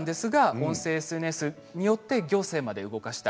音声ＳＮＳで行政まで動かした。